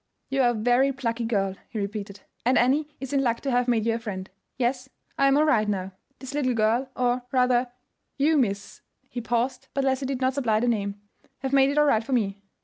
"You are a very plucky girl," he repeated; "and Annie is in luck to have made you her friend. Yes, I am all right now. This little girl, or, rather, you, Miss"—he paused, but Leslie did not supply the name—"have made it all right for me."